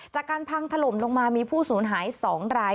จากการพังถล่มลงมามีผู้สูญหาย๒ราย